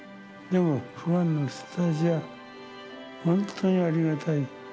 でもファンの人たちは、本当にありがたい。